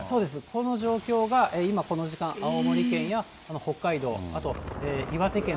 この状況が今この時間、青森県や北海道、あと岩手県。